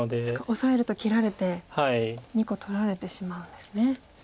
オサえると切られて２個取られてしまうんですね。